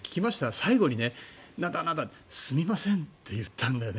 最後にすみませんと言ったんだよね。